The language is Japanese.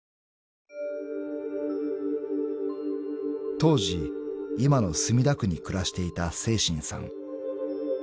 ［当時今の墨田区に暮らしていた清真さん］